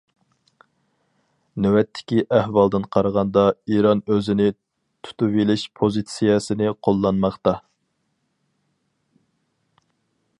نۆۋەتتىكى ئەھۋالدىن قارىغاندا، ئىران ئۆزىنى تۇتۇۋېلىش پوزىتسىيەسىنى قوللانماقتا.